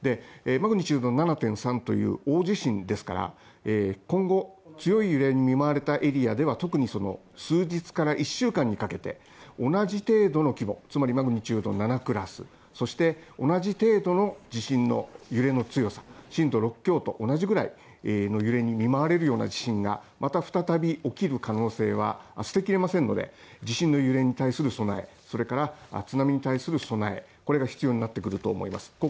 マグニチュード７．３という大地震ですから、今後、強い揺れに見舞われたエリアでは特に数日から１週間にかけて同じ程度の規模つまりマグニチュード７クラス、そして同じ程度の揺れの強さ、震度６強と同じくらいの揺れに見舞われるような地震がまた再び起きる可能性は捨てきれませんので地震の揺れに対する備え、それから津波に対する備えが必要になってくると思います。